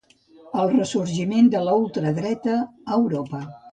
El ressorgiment de la ultradreta a Europa.